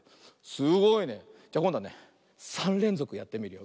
すごいね。じゃこんどはね３れんぞくやってみるよ。